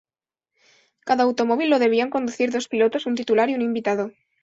Cada automóvil lo debían conducir dos pilotos, un titular y un invitado.